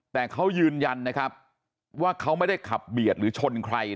แต่เขายืนยันนะครับว่าเขาไม่ได้ขับเบียดหรือชนใคร